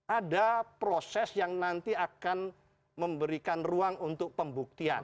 ada proses yang nanti akan memberikan ruang untuk pembuktian